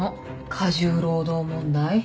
過重労働問題？